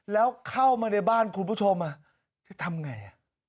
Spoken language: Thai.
แล้วเข้ามาในบ้านคุณผู้ชมจะทำไง